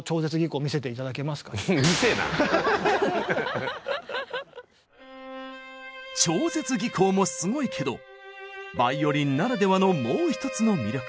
最後に超絶技巧もすごいけどバイオリンならではのもう一つの魅力。